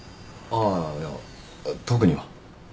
ああいや特には。